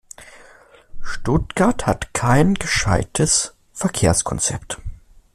Stuttgart hat kein gescheites Verkehrskonzept.